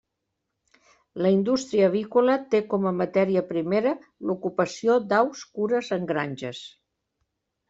La indústria avícola té com a matèria primera l’ocupació d'aus cures en granges.